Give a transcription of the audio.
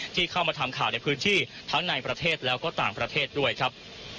ที่เข้ามาทำข่าวในพื้นที่ทั้งในประเทศแล้วก็ต่างประเทศด้วยครับ